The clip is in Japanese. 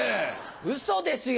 ウソですよ！